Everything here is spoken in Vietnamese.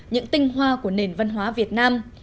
những tinh hoa của nền văn hóa việt nam